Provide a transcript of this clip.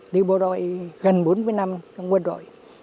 đi bộ đội gần bốn mươi năm trong quân đội